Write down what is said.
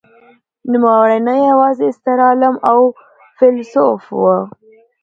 نوموړی نه یوازې ستر عالم او فیلسوف و.